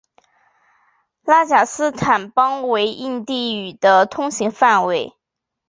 拉贾斯坦邦为印地语的通行范围。